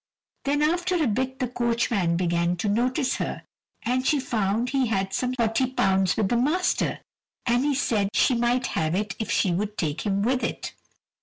Then after a bit the coachman began to notice her, and she found he had some £40 with the master, and he said she might have it if she would take him with it.